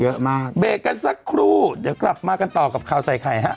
เหมือนสูตรบุหรี่แบบ